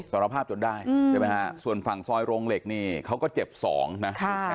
สารภาพจนได้ใช่ไหมฮะส่วนฝั่งซอยโรงเหล็กนี่เขาก็เจ็บสองนะ